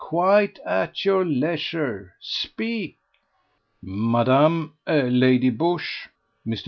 Quite at your leisure speak!" "Madam ... Lady Busshe." Mr.